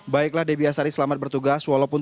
baiklah debbie asari selamat bertugas